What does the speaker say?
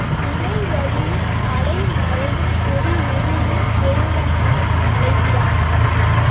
உளை வழியும் அடைமழையும் பொதி எருதும் ஒருவனுமாய் அலைகிறான்.